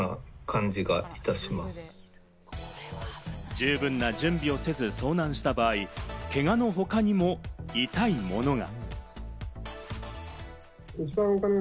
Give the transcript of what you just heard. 十分な準備をせず、遭難した場合、けがの他にも痛いものが。